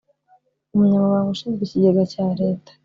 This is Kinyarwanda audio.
umunyamabanga ushinzwe ikigega cya leta